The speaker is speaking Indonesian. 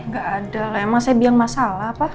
gak ada lah emang saya bilang masalah pak